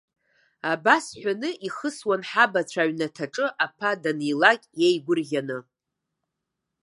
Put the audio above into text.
Абас ҳәаны ихысуан ҳабацәа аҩнаҭаҿы аԥа данилак иеигәырӷьаны.